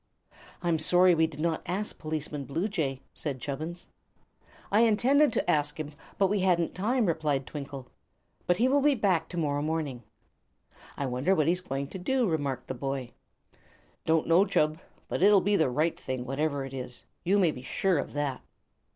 "I'm sorry we did not ask Policeman Bluejay," said Chubbins. "I intended to ask him, but we hadn't time," replied Twinkle. "But he will be back to morrow morning." "I wonder what he's going to do," remarked the boy. "Don't know, Chub; but it'll be the right thing, whatever it is. You may be sure of that."